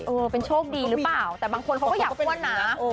เออเป็นโชคดีหรือเปล่าแต่บางคนเขาก็อยากอ้วนนะ